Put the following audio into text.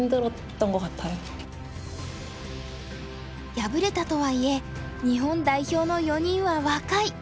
敗れたとはいえ日本代表の４人は若い。